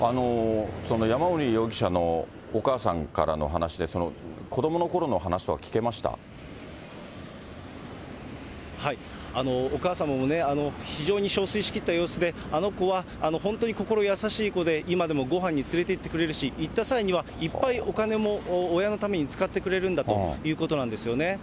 山森容疑者のお母さんからの話で、子どものころの話とか聞けお母様もね、非常にしょうすいしきった様子で、あの子は本当に心優しい子で、今でもごはんに連れていってくれるし、行った際には、いっぱいお金も、親のために使ってくれるんだということなんですよね。